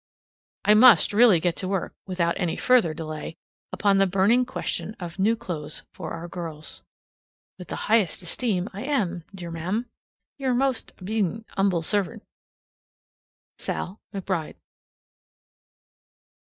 I must really get to work, without any further delay, upon the burning question of new clothes for our girls. With the highest esteem, I am, D'r Ma'am, Y'r most ob'd't and h'mble serv't, SAL. McBRIDE.